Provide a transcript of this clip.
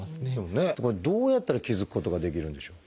これどうやったら気付くことができるんでしょう？